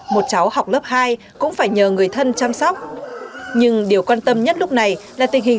một cháu học lớp hai cũng phải nhờ người thân chăm sóc nhưng điều quan tâm nhất lúc này là tình hình